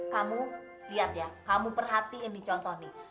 kamu lihat ya kamu perhatiin nih contoh nih